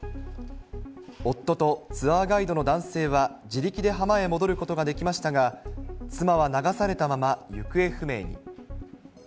夫とツアーガイドの男性は自力で浜へ戻ることができましたが、妻は流されたまま行方不明に。